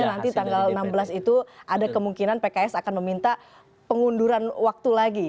nanti tanggal enam belas itu ada kemungkinan pks akan meminta pengunduran waktu lagi